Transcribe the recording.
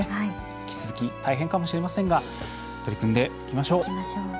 引き続き、大変かもしれませんが取り組んでいきましょう。